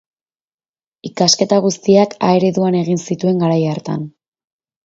Ikasketa guztiak A ereduan egin zituen, garai hartan.